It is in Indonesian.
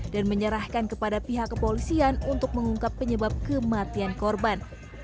dan menyerahkan kepada pihak kepolisian untuk mengungkap penyebab kematian korban